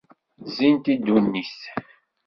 Zzint-d i ddunit!